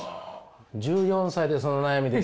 １４歳でその悩みですか。